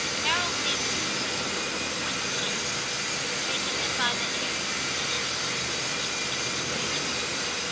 Carol came to his rescue with quick kindliness, taking him by the hand and introducing him to the two strangers.